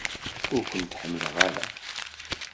Ur ken-ḥemmleɣ ara!